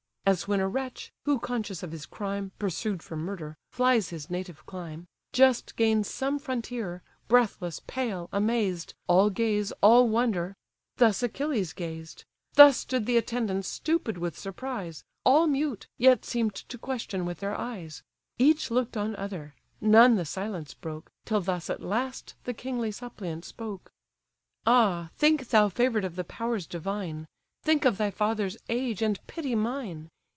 As when a wretch (who, conscious of his crime, Pursued for murder, flies his native clime) Just gains some frontier, breathless, pale, amazed, All gaze, all wonder: thus Achilles gazed: Thus stood the attendants stupid with surprise: All mute, yet seem'd to question with their eyes: Each look'd on other, none the silence broke, Till thus at last the kingly suppliant spoke: "Ah think, thou favour'd of the powers divine! Think of thy father's age, and pity mine!